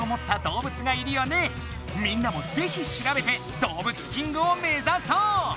みんなもぜひしらべて動物キングをめざそう！